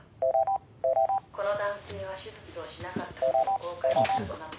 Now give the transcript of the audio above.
「この男性は手術をしなかった事を後悔して亡くなった」